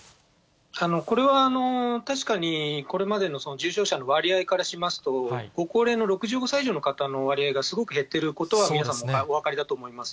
これは確かに、これまでの重症者の割合からしますと、ご高齢の６５歳以上の方の割合がすごく減っていることは皆さん、お分かりだと思います。